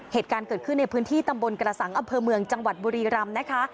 เหตุการณ์เกิดขึ้นในพื้นที่ตำบลกระสังอำเภอเมืองจังหวัดบุรีรำนะคะ